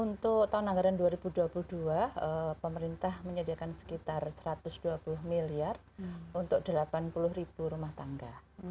untuk tahun anggaran dua ribu dua puluh dua pemerintah menyediakan sekitar satu ratus dua puluh miliar untuk delapan puluh ribu rumah tangga